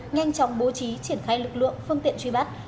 nhanh chóng bố trí triển khai lực lượng phương tiện truy bắt